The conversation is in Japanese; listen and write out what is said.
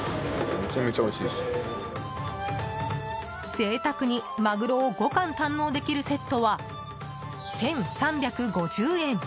贅沢にマグロを５貫堪能できるセットは１３５０円。